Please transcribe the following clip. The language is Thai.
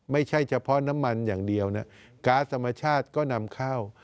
ไม่ใช่เฉพาะน้ำมันอย่างเดียวนะก๊าซธรรมชาติก็นำเข้า